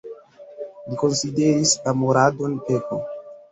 Li konsideris amoradon peko.